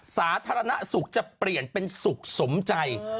สาธารณสุขจะเปลี่ยนเป็นสุขสมใจ